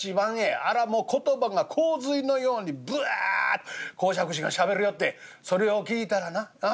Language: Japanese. あれはもう言葉が洪水のようにぶわっと講釈師が喋るよってそれを聞いたらなあ